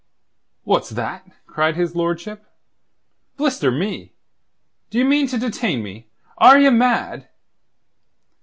"What's that?" cried his lordship. "Blister me! D'ye mean to detain me? Are ye mad?"